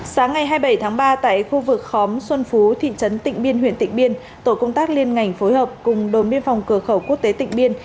sáng ngày hai mươi bảy tháng ba tại khu vực khóm xuân phú thị trấn tịnh biên huyện tịnh biên tổ công tác liên ngành phối hợp cùng đồn biên phòng cửa khẩu quốc tế tịnh biên